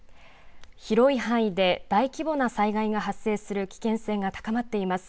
広い範囲で大規模な災害が発生する危険性が高まっています。